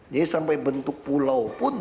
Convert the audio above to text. jadi sampai bentuk pulau pun